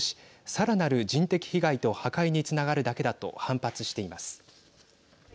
さらなる人的被害と破壊につながるだけだと反発しています。